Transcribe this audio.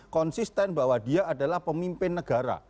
konsisten bahwa dia adalah pemimpin negara